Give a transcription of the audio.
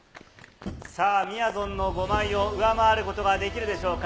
みやぞんの５枚を上回ることができるでしょうか。